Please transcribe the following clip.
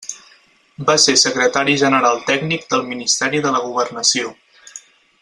Va ser secretari general tècnic del Ministeri de la Governació.